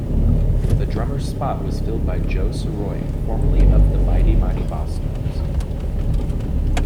The drummer's spot was filled by Joe Sirois, formerly of The Mighty Mighty Bosstones.